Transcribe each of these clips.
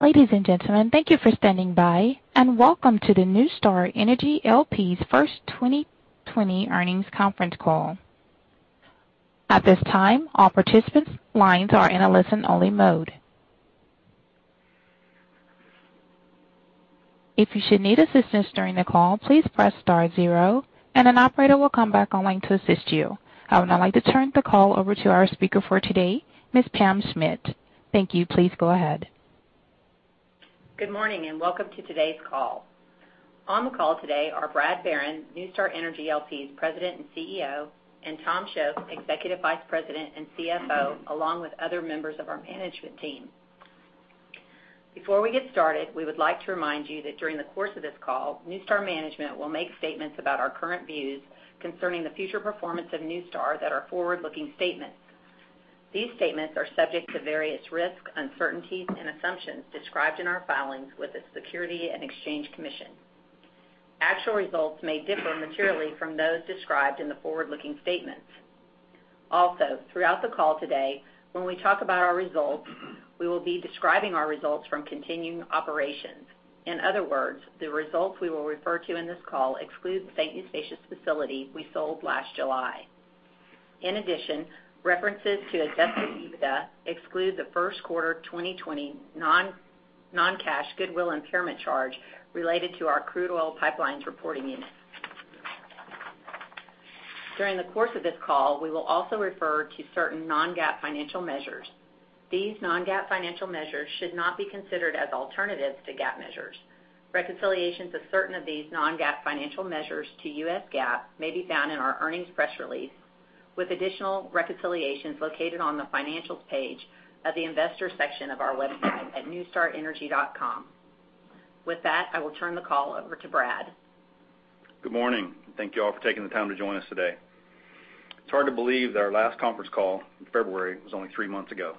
Ladies and gentlemen, thank you for standing by, and welcome to the NuStar Energy L.P.'s first 2020 earnings conference call. At this time, all participants' lines are in a listen-only mode. If you should need assistance during the call, please press star zero and an operator will come back online to assist you. I would now like to turn the call over to our speaker for today, Ms. Pam Schmidt. Thank you. Please go ahead. Good morning, and welcome to today's call. On the call today are Brad Barron, NuStar Energy L.P.'s President and CEO, and Tom Shoaf, Executive Vice President and CFO, along with other members of our management team. Before we get started, we would like to remind you that during the course of this call, NuStar management will make statements about our current views concerning the future performance of NuStar that are forward-looking statements. These statements are subject to various risks, uncertainties and assumptions described in our filings with the Securities and Exchange Commission. Actual results may differ materially from those described in the forward-looking statements. Throughout the call today, when we talk about our results, we will be describing our results from continuing operations. In other words, the results we will refer to in this call exclude the St. Eustatius facility we sold last July. In addition, references to adjusted EBITDA exclude the first quarter 2020 non-cash goodwill impairment charge related to our crude oil pipelines reporting unit. During the course of this call, we will also refer to certain non-GAAP financial measures. These non-GAAP financial measures should not be considered as alternatives to GAAP measures. Reconciliations of certain of these non-GAAP financial measures to U.S. GAAP may be found in our earnings press release, with additional reconciliations located on the Financial page of the Investor section of our website at nustarenergy.com. With that, I will turn the call over to Brad. Good morning. Thank you all for taking the time to join us today. It's hard to believe that our last conference call in February was only three months ago.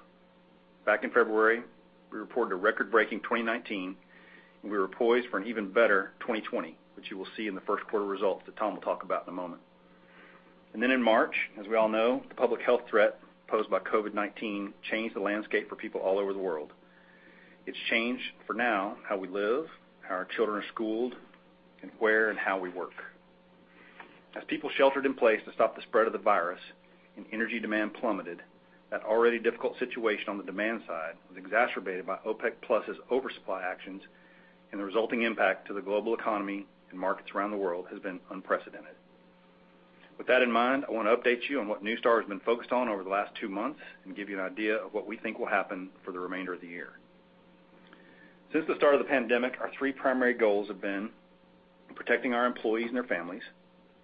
Back in February, we reported a record-breaking 2019, we were poised for an even better 2020, which you will see in the first quarter results that Tom will talk about in a moment. In March, as we all know, the public health threat posed by COVID-19 changed the landscape for people all over the world. It's changed, for now, how we live, how our children are schooled, and where and how we work. As people sheltered in place to stop the spread of the virus and energy demand plummeted, that already difficult situation on the demand side was exacerbated by OPEC+' oversupply actions, and the resulting impact to the global economy and markets around the world has been unprecedented. With that in mind, I want to update you on what NuStar has been focused on over the last two months and give you an idea of what we think will happen for the remainder of the year. Since the start of the pandemic, our three primary goals have been protecting our employees and their families,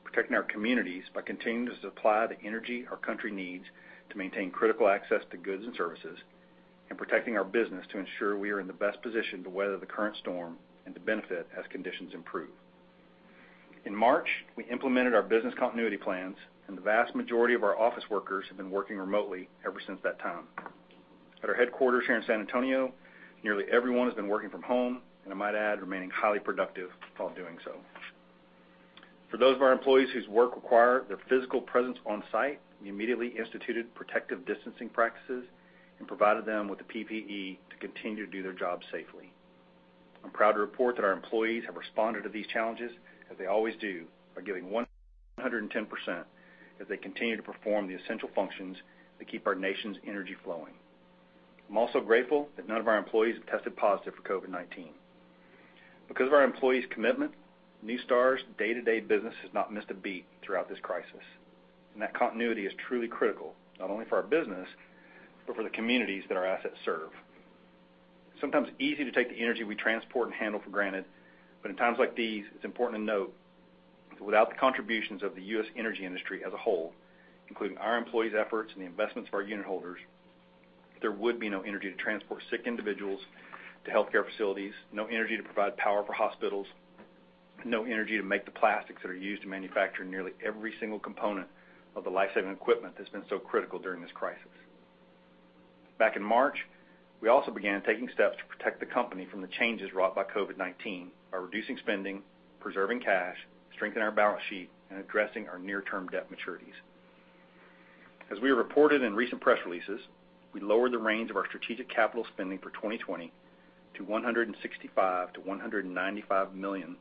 protecting our communities by continuing to supply the energy our country needs to maintain critical access to goods and services, and protecting our business to ensure we are in the best position to weather the current storm and to benefit as conditions improve. In March, we implemented our business continuity plans, and the vast majority of our office workers have been working remotely ever since that time. At our headquarters here in San Antonio, nearly everyone has been working from home, and I might add, remaining highly productive while doing so. For those of our employees whose work require their physical presence on-site, we immediately instituted protective distancing practices and provided them with the PPE to continue to do their job safely. I'm proud to report that our employees have responded to these challenges, as they always do, by giving 110% as they continue to perform the essential functions that keep our nation's energy flowing. I'm also grateful that none of our employees have tested positive for COVID-19. Because of our employees' commitment, NuStar's day-to-day business has not missed a beat throughout this crisis, and that continuity is truly critical, not only for our business, but for the communities that our assets serve. It's sometimes easy to take the energy we transport and handle for granted, but in times like these, it's important to note that without the contributions of the U.S. energy industry as a whole, including our employees' efforts and the investments of our unit holders, there would be no energy to transport sick individuals to healthcare facilities, no energy to provide power for hospitals, no energy to make the plastics that are used in manufacturing nearly every single component of the life-saving equipment that's been so critical during this crisis. Back in March, we also began taking steps to protect the company from the changes wrought by COVID-19 by reducing spending, preserving cash, strengthening our balance sheet, and addressing our near-term debt maturities. As we have reported in recent press releases, we lowered the range of our strategic capital spending for 2020 to $165 million-$195 million,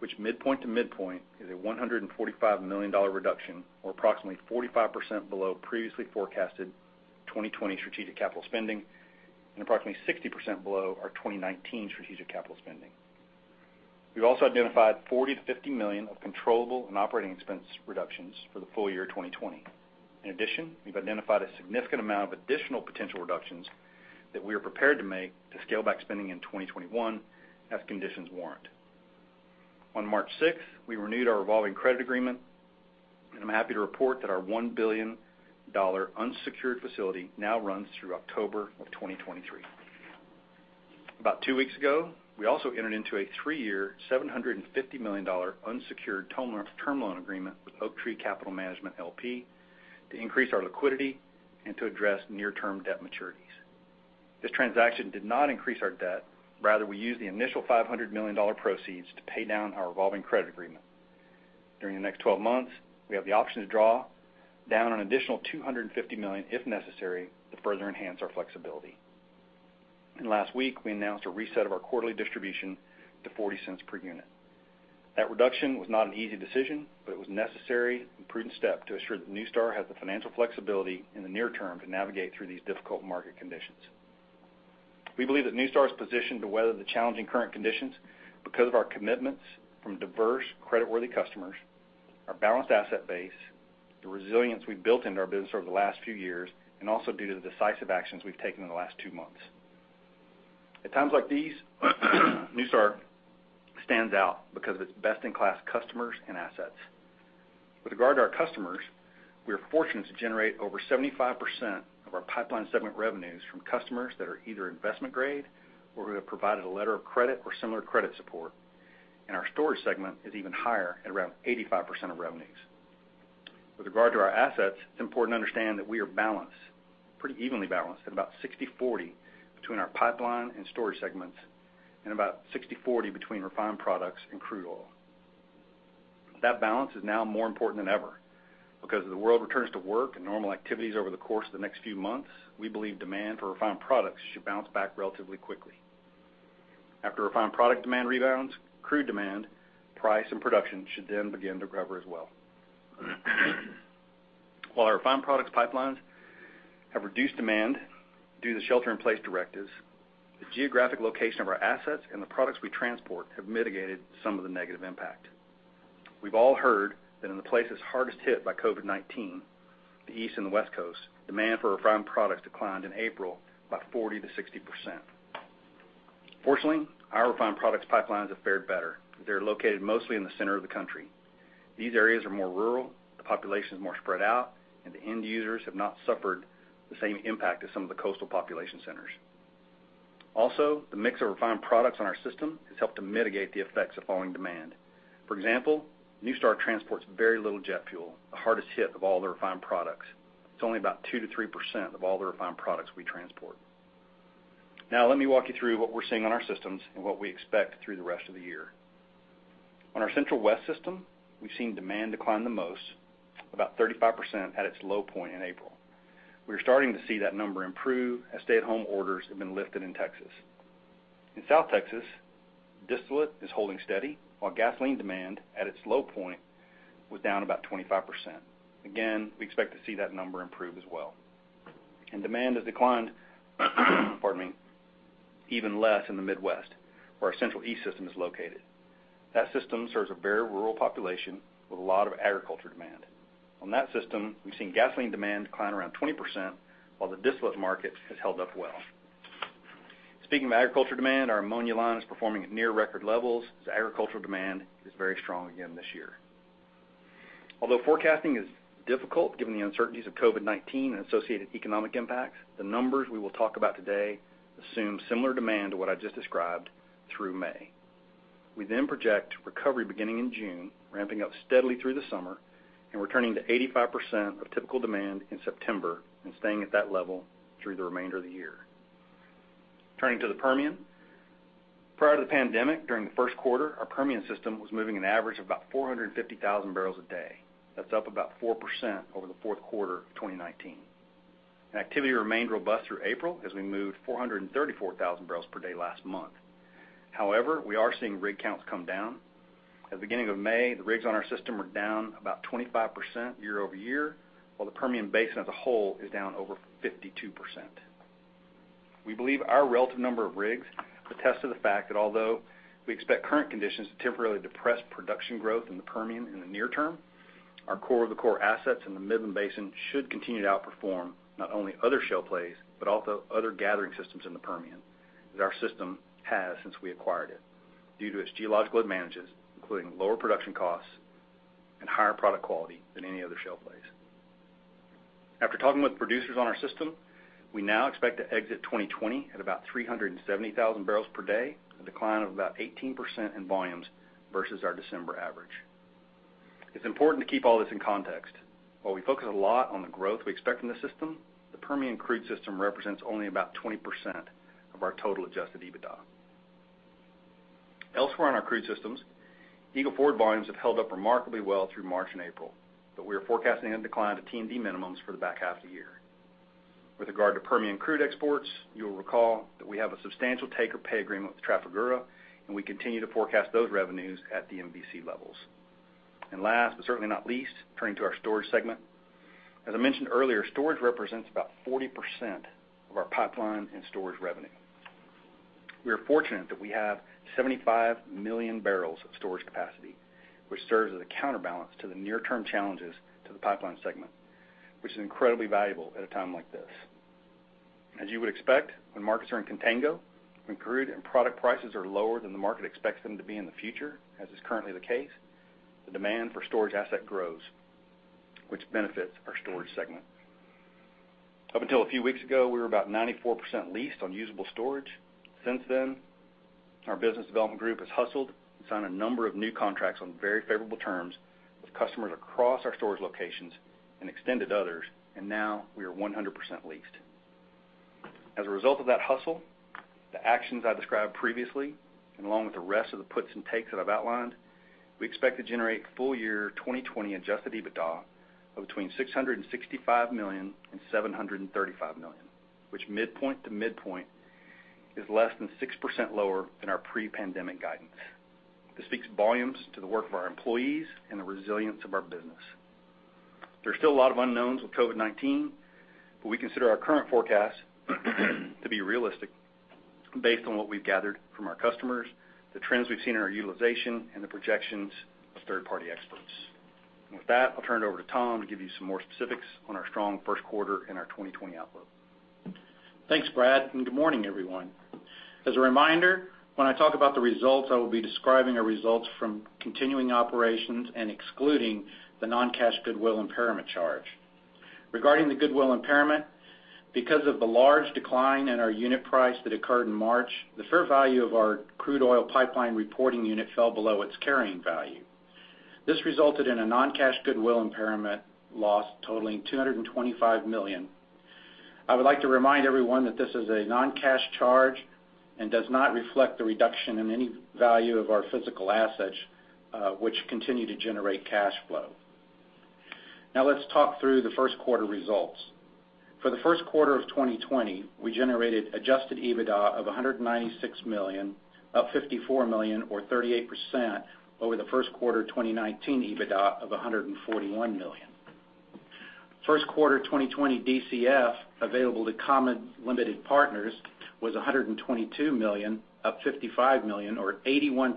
which midpoint to midpoint is a $145 million reduction or approximately 45% below previously forecasted 2020 strategic capital spending, and approximately 60% below our 2019 strategic capital spending. We've also identified $40 million-$50 million of controllable and operating expense reductions for the full year 2020. In addition, we've identified a significant amount of additional potential reductions that we are prepared to make to scale back spending in 2021 as conditions warrant. On March 6th, we renewed our revolving credit agreement, I am happy to report that our $1 billion unsecured facility now runs through October of 2023. About two weeks ago, we also entered into a three-year, $750 million unsecured term loan agreement with Oaktree Capital Management, L.P. to increase our liquidity and to address near-term debt maturities. This transaction did not increase our debt. Rather, we used the initial $500 million proceeds to pay down our revolving credit agreement. During the next 12 months, we have the option to draw down an additional $250 million if necessary to further enhance our flexibility. Last week, we announced a reset of our quarterly distribution to $0.40 per unit. That reduction was not an easy decision, but it was a necessary and prudent step to ensure that NuStar has the financial flexibility in the near term to navigate through these difficult market conditions. We believe that NuStar is positioned to weather the challenging current conditions because of our commitments from diverse, creditworthy customers, our balanced asset base, the resilience we've built into our business over the last few years, and also due to the decisive actions we've taken in the last two months. At times like these, NuStar stands out because of its best-in-class customers and assets. With regard to our customers, we are fortunate to generate over 75% of our pipeline segment revenues from customers that are either investment-grade or who have provided a letter of credit or similar credit support. Our storage segment is even higher at around 85% of revenues. With regard to our assets, it's important to understand that we are balanced, pretty evenly balanced at about 60/40 between our pipeline and storage segments, and about 60/40 between refined products and crude oil. That balance is now more important than ever. As the world returns to work and normal activities over the course of the next few months, we believe demand for refined products should bounce back relatively quickly. After refined product demand rebounds, crude demand, price, and production should then begin to recover as well. While our refined products pipelines have reduced demand due to the shelter-in-place directives, the geographic location of our assets and the products we transport have mitigated some of the negative impact. We've all heard that in the places hardest hit by COVID-19, the East and the West Coasts, demand for refined products declined in April by 40%-60%. Fortunately, our refined products pipelines have fared better, as they are located mostly in the center of the country. These areas are more rural, the population is more spread out, and the end users have not suffered the same impact as some of the coastal population centers. Also, the mix of refined products on our system has helped to mitigate the effects of falling demand. For example, NuStar transports very little jet fuel, the hardest hit of all the refined products. It's only about 2%-3% of all the refined products we transport. Now let me walk you through what we're seeing on our systems and what we expect through the rest of the year. On our Central West system, we've seen demand decline the most, about 35% at its low point in April. We are starting to see that number improve as stay-at-home orders have been lifted in Texas. In South Texas, distillate is holding steady, while gasoline demand at its low point was down about 25%. Again, we expect to see that number improve as well. Demand has declined, pardon me, even less in the Midwest, where our Central East system is located. That system serves a very rural population with a lot of agriculture demand. On that system, we've seen gasoline demand decline around 20%, while the distillate market has held up well. Speaking of agriculture demand, our Ammonia line is performing at near record levels, as agricultural demand is very strong again this year. Although forecasting is difficult given the uncertainties of COVID-19 and associated economic impacts, the numbers we will talk about today assume similar demand to what I just described through May. We project recovery beginning in June, ramping up steadily through the summer, and returning to 85% of typical demand in September and staying at that level through the remainder of the year. Turning to the Permian. Prior to the pandemic, during the first quarter, our Permian system was moving an average of about 450,000 barrels a day. That's up about 4% over the fourth quarter of 2019. Activity remained robust through April, as we moved 434,000 barrels per day last month. However, we are seeing rig counts come down. At the beginning of May, the rigs on our system were down about 25% year-over-year, while the Permian Basin as a whole is down over 52%. We believe our relative number of rigs attest to the fact that although we expect current conditions to temporarily depress production growth in the Permian in the near term, our core of the core assets in the Midland Basin should continue to outperform not only other shale plays, but also other gathering systems in the Permian, as our system has since we acquired it, due to its geological advantages, including lower production costs and higher product quality than any other shale plays. After talking with producers on our system, we now expect to exit 2020 at about 370,000 barrels per day, a decline of about 18% in volumes versus our December average. It is important to keep all this in context. While we focus a lot on the growth we expect in the system, the Permian crude system represents only about 20% of our total adjusted EBITDA. Elsewhere on our crude systems, Eagle Ford volumes have held up remarkably well through March and April. We are forecasting a decline to T&D minimums for the back half of the year. With regard to Permian crude exports, you will recall that we have a substantial take-or-pay agreement with Trafigura. We continue to forecast those revenues at the MVC levels. Last, certainly not least, turning to our storage segment. As I mentioned earlier, storage represents about 40% of our pipeline and storage revenue. We are fortunate that we have 75 million barrels of storage capacity, which serves as a counterbalance to the near-term challenges to the pipeline segment, which is incredibly valuable at a time like this. As you would expect, when markets are in contango, when crude and product prices are lower than the market expects them to be in the future, as is currently the case, the demand for storage asset grows, which benefits our storage segment. Up until a few weeks ago, we were about 94% leased on usable storage. Since then, our business development group has hustled and signed a number of new contracts on very favorable terms with customers across our storage locations and extended others, and now we are 100% leased. As a result of that hustle, the actions I described previously, and along with the rest of the puts and takes that I've outlined, we expect to generate full year 2020 adjusted EBITDA of between $665 million and $735 million, which midpoint to midpoint is less than 6% lower than our pre-pandemic guidance. This speaks volumes to the work of our employees and the resilience of our business. There are still a lot of unknowns with COVID-19, but we consider our current forecast to be realistic based on what we've gathered from our customers, the trends we've seen in our utilization, and the projections of third-party experts. With that, I'll turn it over to Tom to give you some more specifics on our strong first quarter and our 2020 outlook. Thanks, Brad, good morning, everyone. As a reminder, when I talk about the results, I will be describing our results from continuing operations and excluding the non-cash goodwill impairment charge. Regarding the goodwill impairment, because of the large decline in our unit price that occurred in March, the fair value of our crude oil pipeline reporting unit fell below its carrying value. This resulted in a non-cash goodwill impairment loss totaling $225 million. I would like to remind everyone that this is a non-cash charge and does not reflect the reduction in any value of our physical assets, which continue to generate cash flow. Now let's talk through the first quarter results. For the first quarter of 2020, we generated adjusted EBITDA of $196 million, up $54 million or 38% over the first quarter 2019 EBITDA of $141 million. First quarter 2020 DCF available to common limited partners was $122 million, up $55 million or 81%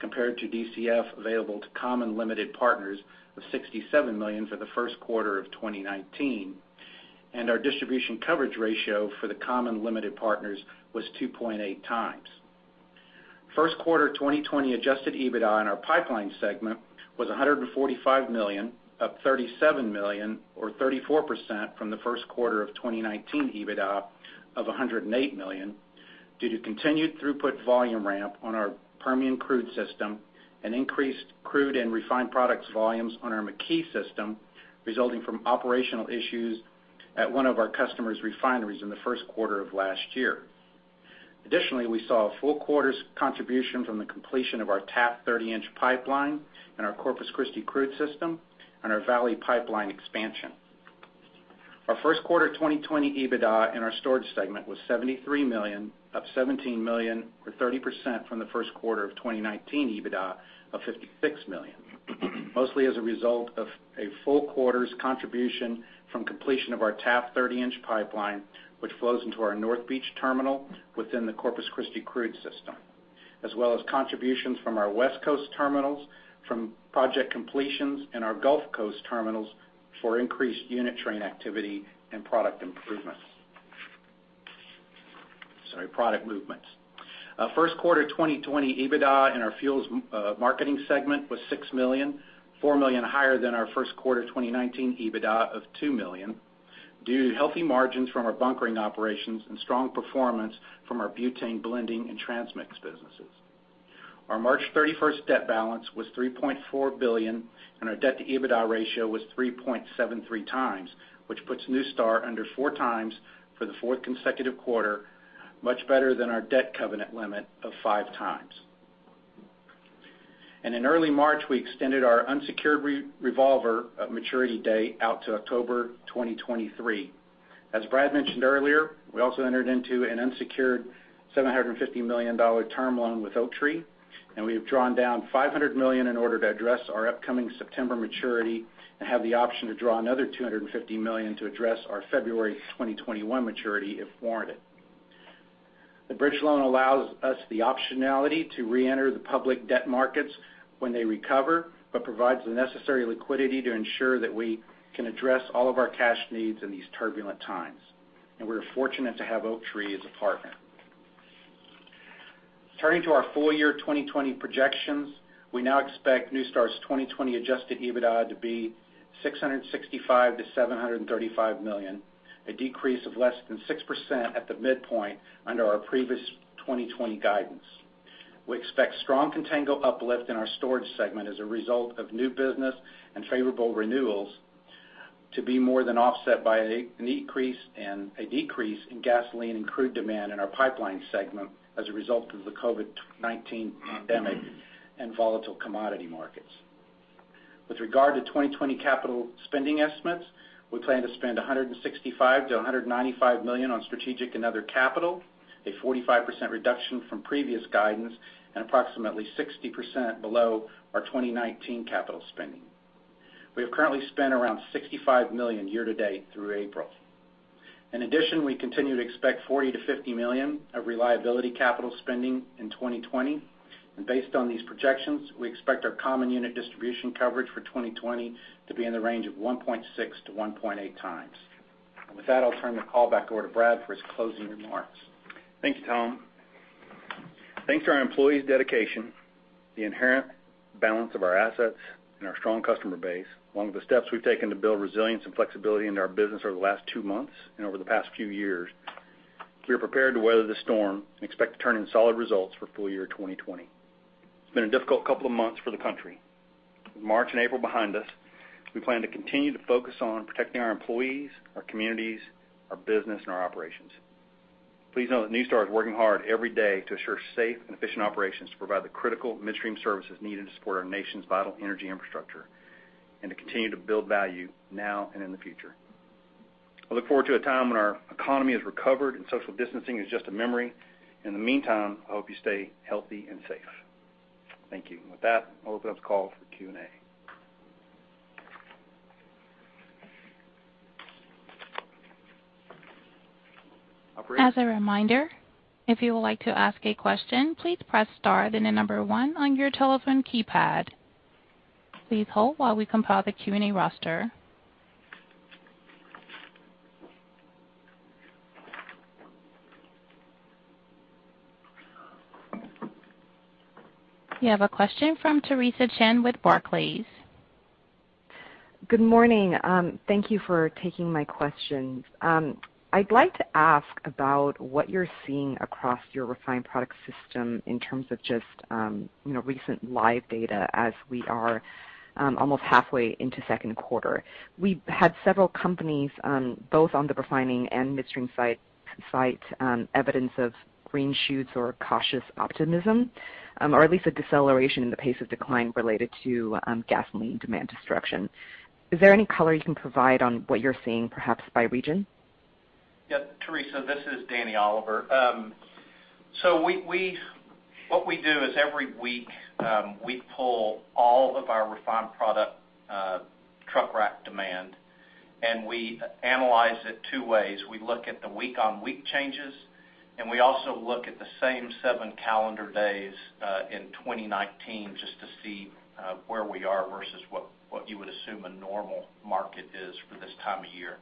compared to DCF available to common limited partners of $67 million for the first quarter of 2019. Our distribution coverage ratio for the common limited partners was 2.8 times. First quarter 2020 adjusted EBITDA in our pipeline segment was $145 million, up $37 million or 34% from the first quarter of 2019 EBITDA of $108 million due to continued throughput volume ramp on our Permian Crude System and increased crude and refined products volumes on our McKee System, resulting from operational issues at one of our customer's refineries in the first quarter of last year. Additionally, we saw a full quarter's contribution from the completion of our TAP 30-inch pipeline and our Corpus Christi Crude System and our Valley Pipeline expansion. Our first quarter 2020 EBITDA in our storage segment was $73 million, up $17 million or 30% from the first quarter of 2019 EBITDA of $56 million. Mostly as a result of a full quarter's contribution from completion of our TAP 30-inch pipeline, which flows into our North Beach terminal within the Corpus Christi Crude System. As well as contributions from our West Coast terminals, from project completions in our Gulf Coast terminals for increased unit train activity and product improvements. Sorry, product movements. First quarter 2020 EBITDA in our Fuels Marketing Segment was $6 million, $4 million higher than our first quarter 2019 EBITDA of $2 million due to healthy margins from our bunkering operations and strong performance from our butane blending and transmix businesses. Our March 31st debt balance was $3.4 billion, and our debt-to-EBITDA ratio was 3.73 times, which puts NuStar under four times for the fourth consecutive quarter, much better than our debt covenant limit of five times. In early March, we extended our unsecured revolver maturity date out to October 2023. As Brad mentioned earlier, we also entered into an unsecured $750 million term loan with Oaktree, and we have drawn down $500 million in order to address our upcoming September maturity and have the option to draw another $250 million to address our February 2021 maturity if warranted. The bridge loan allows us the optionality to reenter the public debt markets when they recover but provides the necessary liquidity to ensure that we can address all of our cash needs in these turbulent times, and we are fortunate to have Oaktree as a partner. Turning to our full year 2020 projections, we now expect NuStar's 2020 adjusted EBITDA to be $665 million to $735 million, a decrease of less than 6% at the midpoint under our previous 2020 guidance. We expect strong contango uplift in our storage segment as a result of new business and favorable renewals to be more than offset by an increase in gasoline and crude demand in our pipeline segment as a result of the COVID-19 pandemic and volatile commodity markets. With regard to 2020 capital spending estimates, we plan to spend $165 million to $195 million on strategic and other capital, a 45% reduction from previous guidance, and approximately 60% below our 2019 capital spending. We have currently spent around $65 million year to date through April. In addition, we continue to expect $40 million to $50 million of reliability capital spending in 2020. Based on these projections, we expect our common unit distribution coverage for 2020 to be in the range of 1.6-1.8 times. With that, I'll turn the call back over to Brad for his closing remarks. Thank you, Tom. Thanks to our employees' dedication, the inherent balance of our assets, and our strong customer base, along with the steps we've taken to build resilience and flexibility into our business over the last two months and over the past few years, we are prepared to weather the storm and expect to turn in solid results for full year 2020. It's been a difficult couple of months for the country. With March and April behind us, we plan to continue to focus on protecting our employees, our communities, our business, and our operations. Please note that NuStar is working hard every day to assure safe and efficient operations to provide the critical midstream services needed to support our nation's vital energy infrastructure and to continue to build value now and in the future. I look forward to a time when our economy has recovered, and social distancing is just a memory. In the meantime, I hope you stay healthy and safe. Thank you. With that, I'll open up the call for Q&A. As a reminder, if you would like to ask a question, please press star, then the number one on your telephone keypad. Please hold while we compile the Q&A roster. We have a question from Theresa Chen with Barclays. Good morning. Thank you for taking my questions. I'd like to ask about what you're seeing across your refined product system in terms of just recent live data as we are almost halfway into second quarter. We've had several companies, both on the refining and midstream side, cite evidence of green shoots or cautious optimism. At least a deceleration in the pace of decline related to gasoline demand destruction. Is there any color you can provide on what you're seeing, perhaps by region? Yeah, Theresa, this is Danny Oliver. What we do is every week, we pull all of our refined product truck rack demand, and we analyze it two ways. We look at the week-on-week changes, and we also look at the same seven calendar days, in 2019, just to see where we are versus what you would assume a normal market is for this time of year.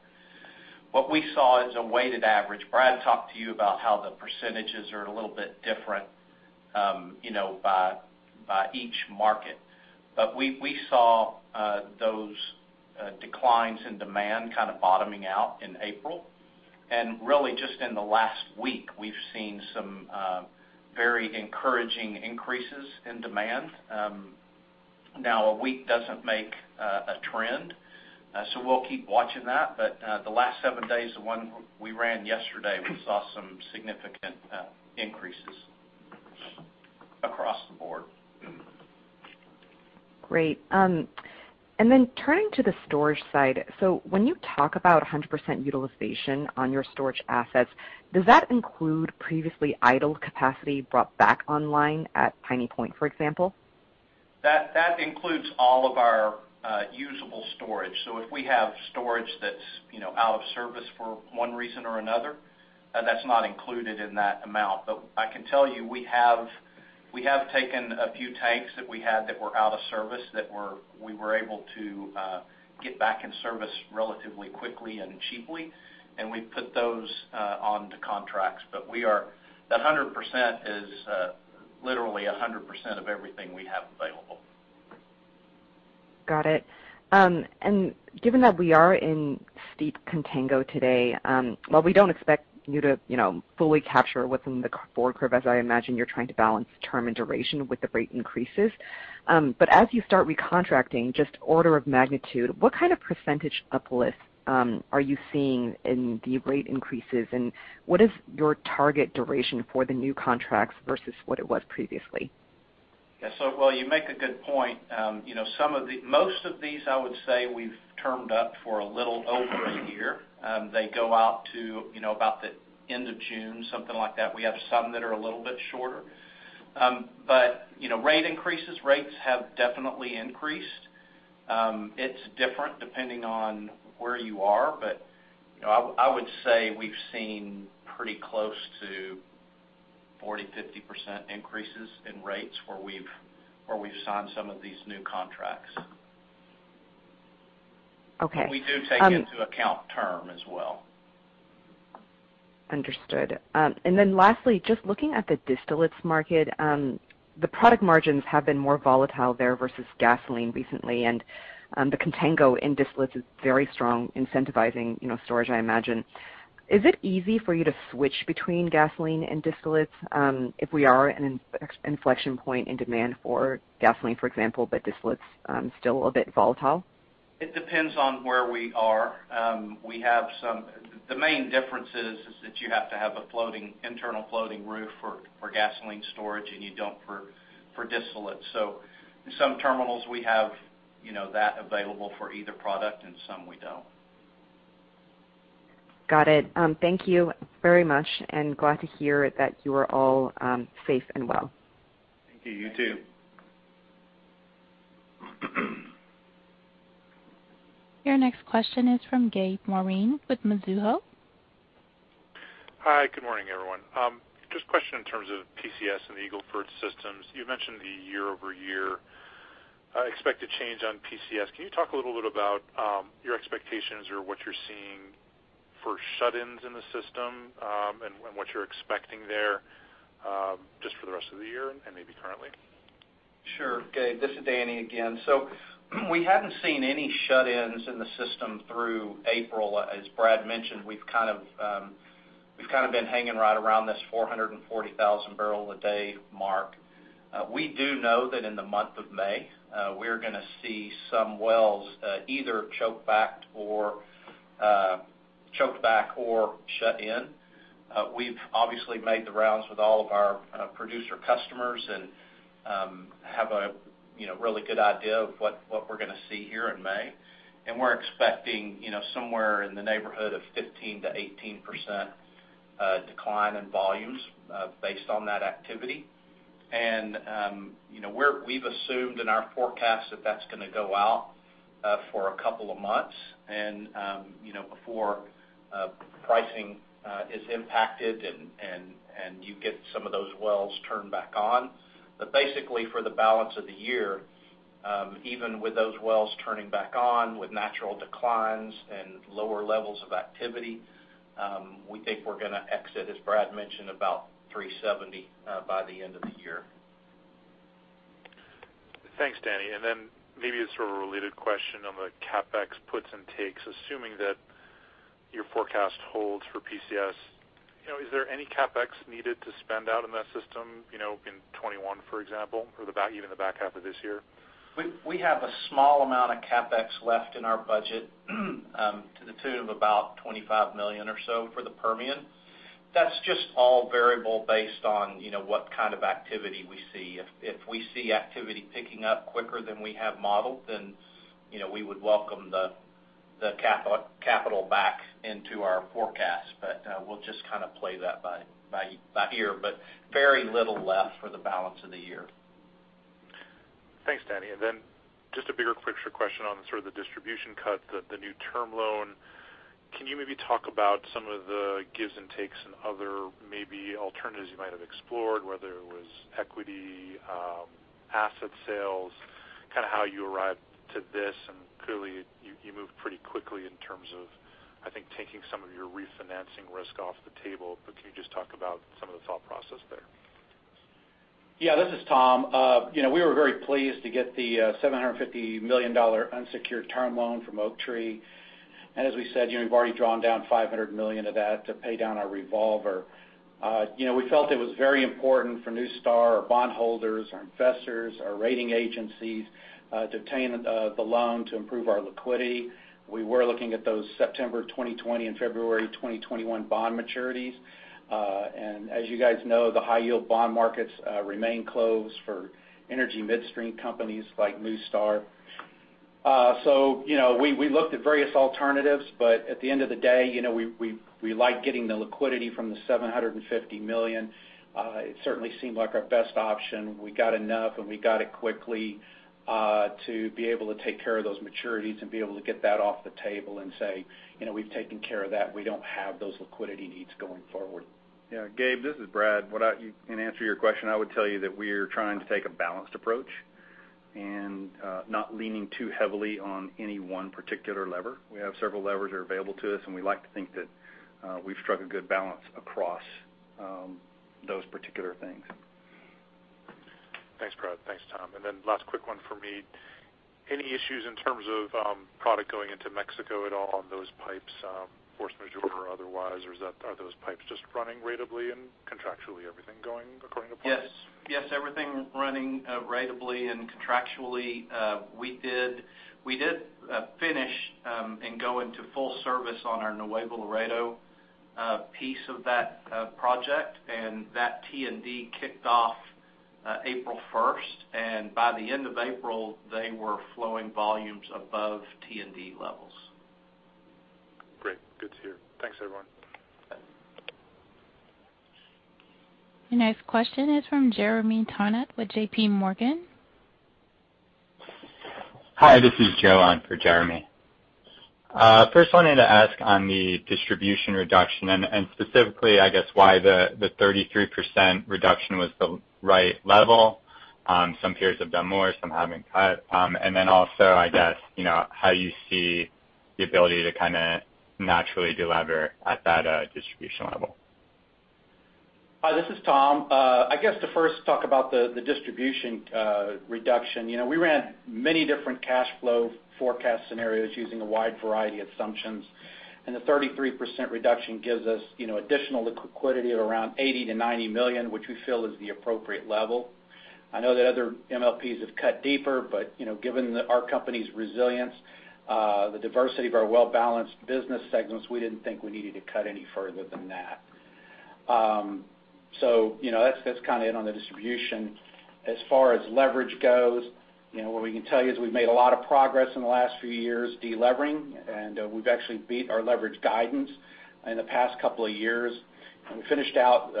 What we saw is a weighted average. Brad talked to you about how the percentages are a little bit different by each market. We saw those declines in demand kind of bottoming out in April. Really just in the last week, we've seen some very encouraging increases in demand. A week doesn't make a trend, so we'll keep watching that. The last seven days, the one we ran yesterday, we saw some significant increases across the board. Great. Turning to the storage side. When you talk about 100% utilization on your storage assets, does that include previously idle capacity brought back online at Piney Point, for example? That includes all of our usable storage. If we have storage that's out of service for one reason or another, that's not included in that amount. I can tell you, we have taken a few tanks that we had that were out of service that we were able to get back in service relatively quickly and cheaply. We've put those onto contracts. That 100% is literally 100% of everything we have available. Got it. Given that we are in steep contango today, while we don't expect you to fully capture what's in the forward curve, as I imagine you're trying to balance term and duration with the rate increases. As you start recontracting, just order of magnitude, what kind of percentage uplift are you seeing in the rate increases, and what is your target duration for the new contracts versus what it was previously? Yeah. Well, you make a good point. Most of these, I would say, we've termed up for a little over a year. They go out to about the end of June, something like that. We have some that are a little bit shorter. Rate increases, rates have definitely increased. It's different depending on where you are, but I would say we've seen pretty close to 40, 50% increases in rates where we've signed some of these new contracts. Okay. We do take into account term as well. Understood. Lastly, just looking at the distillates market. The product margins have been more volatile there versus gasoline recently. The contango in distillates is very strong incentivizing storage, I imagine. Is it easy for you to switch between gasoline and distillates? If we are at an inflection point in demand for gasoline, for example, but distillates still a bit volatile? It depends on where we are. The main difference is that you have to have an internal floating roof for gasoline storage, and you don't for distillate. Some terminals we have that available for either product and some we don't. Got it. Thank you very much. Glad to hear that you are all safe and well. Thank you. You too. Your next question is from Gabe Moreen with Mizuho. Hi, good morning, everyone. Just a question in terms of PCS and the Eagle Ford systems. You had mentioned the year-over-year expected change on PCS. Can you talk a little bit about your expectations or what you're seeing for shut-ins in the system, and what you're expecting there, just for the rest of the year and maybe currently? Sure, Gabe. This is Danny again. We haven't seen any shut-ins in the system through April. As Brad mentioned, we've kind of been hanging right around these 440,000 barrels a day mark. We do know that in the month of May, we're going to see some wells either choke back or shut in. We've obviously made the rounds with all of our producer customers and have a really good idea of what we're going to see here in May. We're expecting somewhere in the neighborhood of 15%-18% decline in volumes based on that activity. We've assumed in our forecast that that's going to go out for a couple of months, before pricing is impacted and you get some of those wells turned back on. Basically, for the balance of the year, even with those wells turning back on with natural declines and lower levels of activity, we think we're going to exit, as Brad mentioned, about 370 by the end of the year. Thanks, Danny. Maybe a sort of related question on the CapEx puts and takes. Assuming that your forecast holds for PCS, is there any CapEx needed to spend out in that system in 2021, for example, or even the back half of this year? We have a small amount of CapEx left in our budget to the tune of about $25 million or so for the Permian. That's just all variable based on what kind of activity we see. If we see activity picking up quicker than we have modeled, then we would welcome the capital back into our forecast. We'll just kind of play that by ear, but very little left for the balance of the year. Thanks, Danny. Then just a bigger picture question on sort of the distribution cut, the new term loan. Can you maybe talk about some of the gives and takes and other maybe alternatives you might have explored whether it was equity, asset sales, kind of how you arrived to this? Clearly, you moved pretty quickly in terms of, I think, taking some of your refinancing risk off the table. Can you just talk about some of the thought process there? Yeah. This is Tom. We were very pleased to get the $750 million unsecured term loan from Oaktree. As we said, we've already drawn down $500 million of that to pay down our revolver. We felt it was very important for NuStar, our bond holders, our investors, our rating agencies to obtain the loan to improve our liquidity. We were looking at those September 2020 and February 2021 bond maturities. As you guys know, the high-yield bond markets remain closed for energy midstream companies like NuStar. We looked at various alternatives, but at the end of the day, we like getting the liquidity from the $750 million. It certainly seemed like our best option. We got enough, and we got it quickly to be able to take care of those maturities and be able to get that off the table and say, "We've taken care of that. We don't have those liquidity needs going forward. Yeah. Gabe, this is Brad. In answer to your question, I would tell you that we're trying to take a balanced approach and not leaning too heavily on any one particular lever. We have several levers that are available to us, and we like to think that we've struck a good balance across those particular things. Thanks, Brad. Thanks, Tom. Last quick one from me. Any issues in terms of product going into Mexico at all on those pipes, force majeure or otherwise, or are those pipes just running ratably and contractually, everything going according to plans? Yes. Everything running ratably and contractually. We did finish and go into full service on our Nuevo Laredo piece of that project, and that T&D kicked off April 1st. By the end of April, they were flowing volumes above T&D levels. Great. Good to hear. Thanks, everyone. Your next question is from Jeremy Tonet at J.P. Morgan. Hi. This is Joe on for Jeremy. First wanted to ask on the distribution reduction and specifically, I guess why the 33% reduction was the right level? Some peers have done more, some haven't cut. Also, I guess, how you see the ability to kind of naturally delever at that distribution level? Hi, this is Tom. I guess to first talk about the distribution reduction. We ran many different cash flow forecast scenarios using a wide variety of assumptions, and the 33% reduction gives us additional liquidity at around $80 million-$90 million, which we feel is the appropriate level. I know that other MLPs have cut deeper, but given our company's resilience, the diversity of our well-balanced business segments, we didn't think we needed to cut any further than that. That's kind of it on the distribution. As far as leverage goes, what we can tell you is we've made a lot of progress in the last few years delevering, and we've actually beat our leverage guidance in the past couple of years. We finished out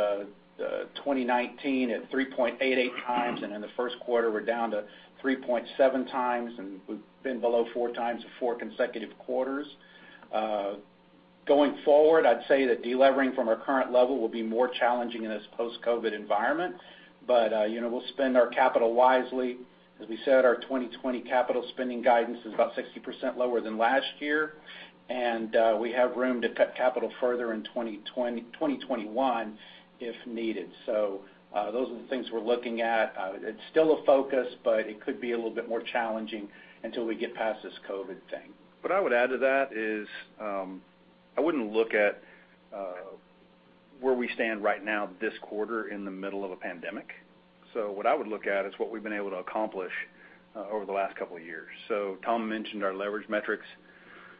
2019 at 3.88 times, in the first quarter, we're down to 3.7 times, we've been below four times for four consecutive quarters. Going forward, I'd say that delevering from our current level will be more challenging in this post-COVID environment. We'll spend our capital wisely. As we said, our 2020 capital spending guidance is about 60% lower than last year, we have room to cut capital further in 2021 if needed. Those are the things we're looking at. It's still a focus, but it could be a little bit more challenging until we get past this COVID thing. What I would add to that is, I wouldn't look at. Where we stand right now this quarter in the middle of a pandemic. What I would look at is what we've been able to accomplish over the last couple of years. Tom mentioned our leverage metrics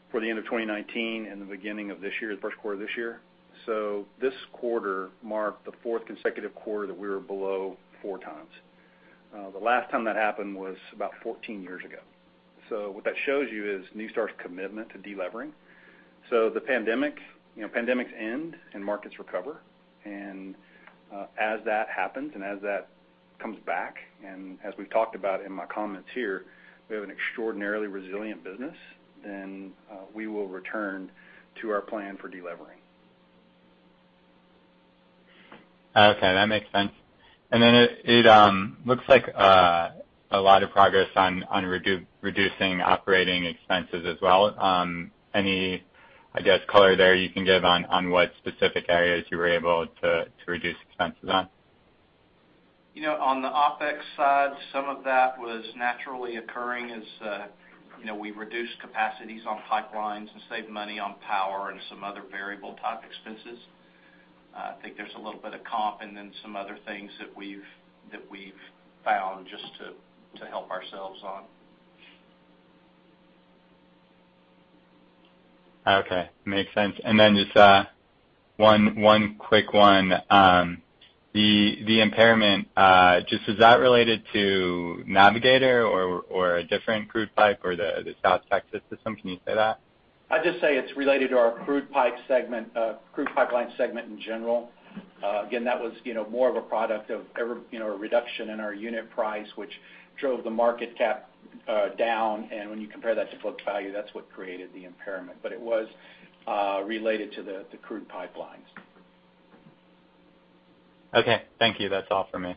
for the end of 2019 and the beginning of this year, the first quarter of this year. This quarter marked the fourth consecutive quarter that we were below four times. The last time that happened was about 14 years ago. What that shows you is NuStar's commitment to de-levering. Pandemics end and markets recover. As that happens and as that comes back, and as we've talked about in my comments here, we have an extraordinarily resilient business, then we will return to our plan for de-levering. Okay. That makes sense. It looks like a lot of progress on reducing operating expenses as well. Any, I guess, color there you can give on what specific areas you were able to reduce expenses on? On the OpEx side, some of that was naturally occurring as we reduced capacities on pipelines and saved money on power and some other variable type expenses. I think there's a little bit of comp and then some other things that we've found just to help ourselves on. Okay. Makes sense. Just one quick one. The impairment, just is that related to Navigator or a different crude pipe or the South Texas System? Can you say that? I'd just say it's related to our crude pipeline segment in general. Again, that was more of a product of a reduction in our unit price, which drove the market cap down. When you compare that to book value, that's what created the impairment. It was related to the crude pipelines. Okay. Thank you. That's all for me.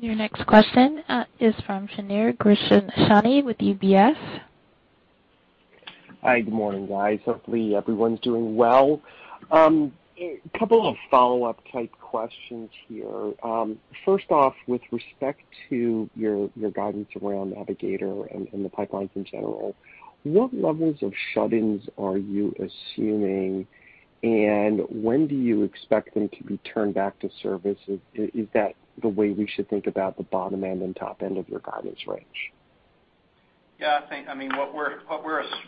Your next question is from Shneur Gershuni with UBS. Hi. Good morning, guys. Hopefully, everyone's doing well. Couple of follow-up type questions here. First off, with respect to your guidance around Navigator and the pipelines in general, what levels of shut-ins are you assuming, and when do you expect them to be turned back to service? Is that the way we should think about the bottom end and top end of your guidance range? Yeah.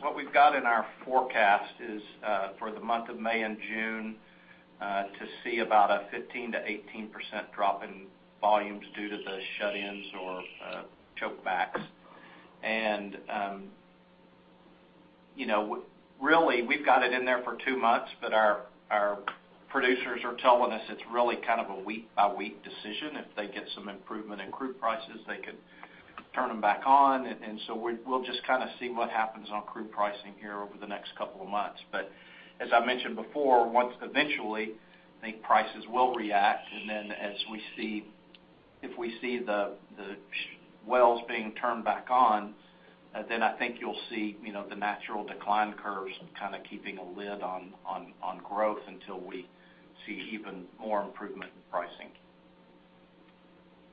What we've got in our forecast is for the month of May and June to see about a 15%-18% drop in volumes due to the shut-ins or choke backs. Really, we've got it in there for two months, but our producers are telling us it's really kind of a week-by-week decision. If they get some improvement in crude prices, they could turn them back on. We'll just kind of see what happens on crude pricing here over the next couple of months. As I mentioned before, once eventually, I think prices will react, and then if we see the wells being turned back on, then I think you'll see the natural decline curves kind of keeping a lid on growth until we see even more improvement in pricing.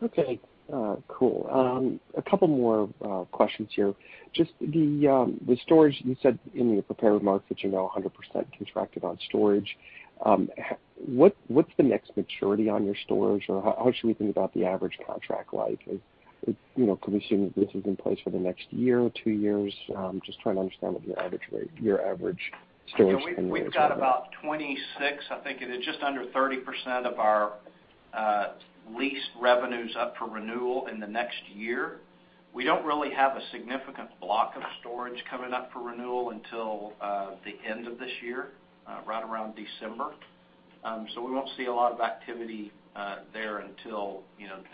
Okay. Cool. A couple more questions here. Just the storage, you said in the prepared remarks that you're now 100% contracted on storage. What's the next maturity on your storage, or how should we think about the average contract life? Can we assume that this is in place for the next year or two years? Just trying to understand what your average storage tenure is right now. We've got about 26, I think it is just under 30% of our lease revenues up for renewal in the next year. We don't really have a significant block of storage coming up for renewal until the end of this year, right around December. We won't see a lot of activity there until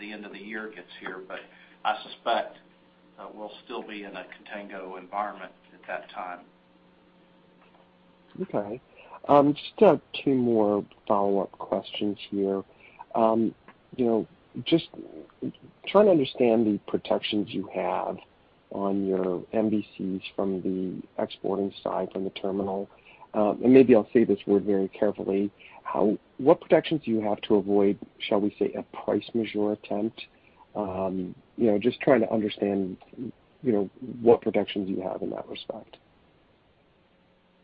the end of the year gets here. I suspect we'll still be in a contango environment at that time. Okay. Just two more follow-up questions here. Just trying to understand the protections you have on your MVCs from the exporting side from the terminal. Maybe I'll say this word very carefully. What protections do you have to avoid, shall we say, a price majeure attempt? Just trying to understand what protections you have in that respect.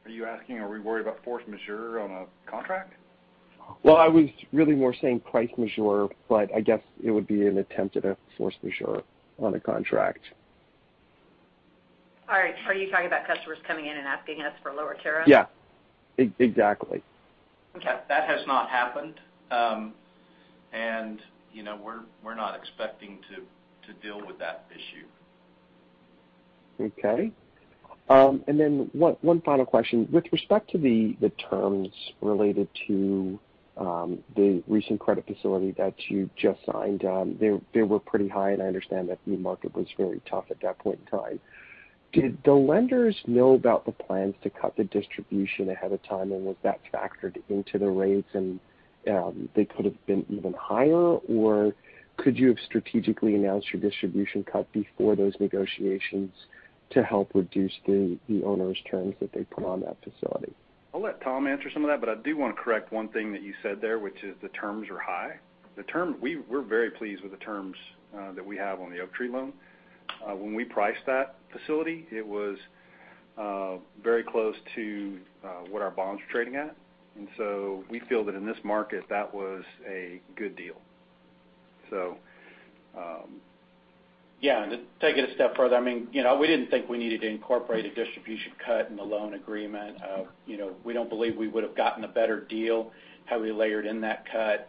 Are you asking, are we worried about force majeure on a contract? Well, I was really more saying price majeure, but I guess it would be an attempt at a force majeure on a contract. All right. Are you talking about customers coming in and asking us for lower tariffs? Yeah. Exactly. Okay. That has not happened. We're not expecting to deal with that issue. Okay. One final question. With respect to the terms related to the recent credit facility that you just signed, they were pretty high, and I understand that the market was very tough at that point in time. Did the lenders know about the plans to cut the distribution ahead of time, and was that factored into the rates and they could have been even higher, or could you have strategically announced your distribution cut before those negotiations to help reduce the onerous terms that they put on that facility? I'll let Tom answer some of that, but I do want to correct one thing that you said there, which is the terms are high. We're very pleased with the terms that we have on the Oaktree loan. When we priced that facility, it was. Very close to what our bonds were trading at. We feel that in this market, that was a good deal. Yeah, to take it a step further, we didn't think we needed to incorporate a distribution cut in the loan agreement. We don't believe we would've gotten a better deal had we layered in that cut.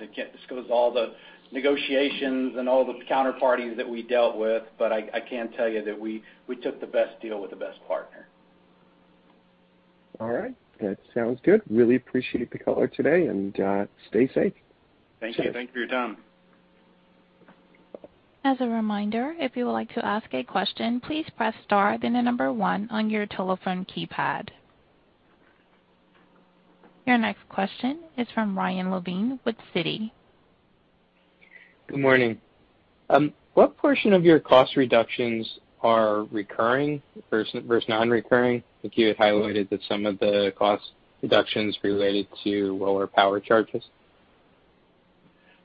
This goes all the negotiations and all the counterparties that we dealt with. I can tell you that we took the best deal with the best partner. All right. That sounds good. Really appreciate the call today. Stay safe. Thank you. Thank you for your time. As a reminder, if you would like to ask a question, please press star then the number one on your telephone keypad. Your next question is from Ryan Levine with Citi. Good morning. What portion of your cost reductions are recurring versus non-recurring? I think you had highlighted that some of the cost reductions related to lower power charges.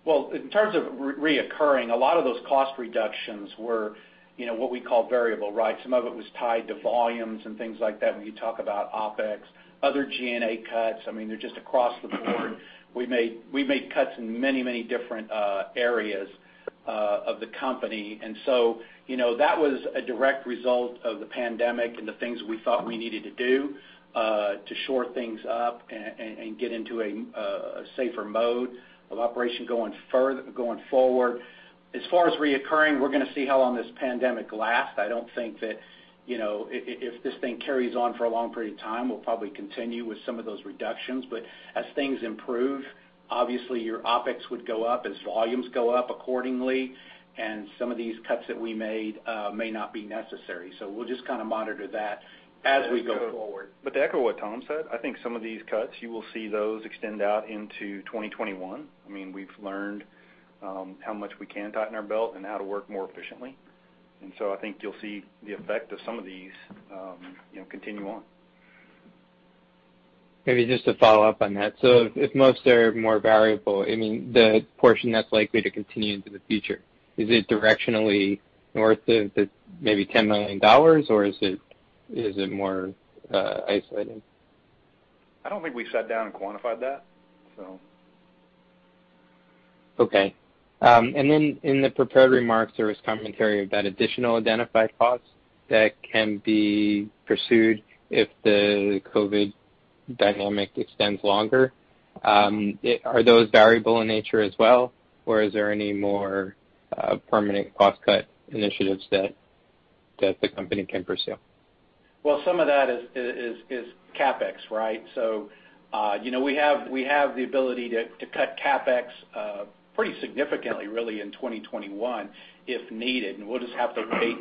Well, in terms of recurring, a lot of those cost reductions were what we call variable. Some of it was tied to volumes and things like that when you talk about OpEx. Other G&A cuts, they're just across the board. We made cuts in many different areas of the company, and so that was a direct result of the pandemic and the things we thought we needed to do to shore things up and get into a safer mode of operation going forward. As far as recurring, we're going to see how long this pandemic lasts. I don't think that if this thing carries on for a long period of time, we'll probably continue with some of those reductions. As things improve, obviously your OpEx would go up as volumes go up accordingly. Some of these cuts that we made may not be necessary, so we'll just kind of monitor that as we go forward. To echo what Tom said, I think some of these cuts, you will see those extend out into 2021. We've learned how much we can tighten our belt and how to work more efficiently. I think you'll see the effect of some of these continue on. Maybe just to follow up on that. If most are more variable, the portion that's likely to continue into the future, is it directionally north of maybe $10 million, or is it more isolated? I don't think we sat down and quantified that. Okay. In the prepared remarks, there was commentary about additional identified costs that can be pursued if the COVID dynamic extends longer. Are those variable in nature as well, or is there any more permanent cost cut initiatives that the company can pursue? Some of that is CapEx. We have the ability to cut CapEx pretty significantly, really, in 2021 if needed. We'll just have to wait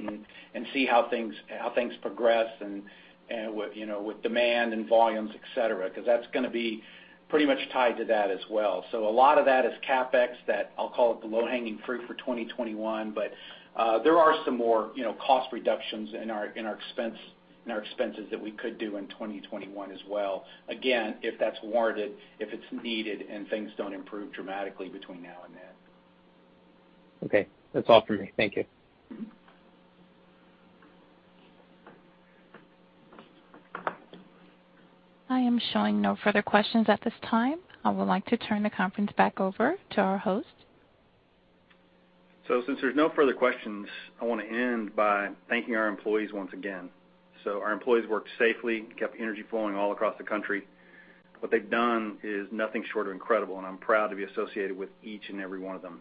and see how things progress with demand and volumes, et cetera, because that's going to be pretty much tied to that as well. A lot of that is CapEx that I'll call it the low-hanging fruit for 2021. There are some more cost reductions in our expenses that we could do in 2021 as well. Again, if that's warranted, if it's needed, and things don't improve dramatically between now and then. Okay. That's all for me. Thank you. I am showing no further questions at this time. I would like to turn the conference back over to our host. Since there's no further questions, I want to end by thanking our employees once again. Our employees worked safely, kept the energy flowing all across the country. What they've done is nothing short of incredible, and I'm proud to be associated with each and every one of them.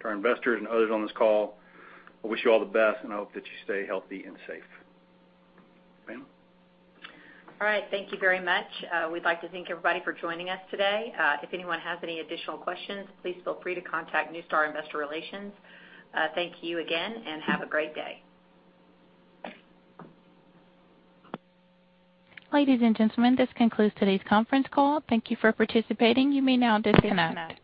To our investors and others on this call, I wish you all the best, and I hope that you stay healthy and safe. Ma'am? All right. Thank you very much. We'd like to thank everybody for joining us today. If anyone has any additional questions, please feel free to contact NuStar Investor Relations. Thank you again, and have a great day. Ladies and gentlemen, this concludes today's conference call. Thank you for participating. You may now disconnect.